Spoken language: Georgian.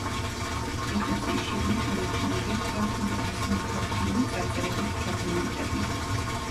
ეკლესიის შიგნით შემორჩენილია ქართული ასომთავრული წარწერების ფრაგმენტები.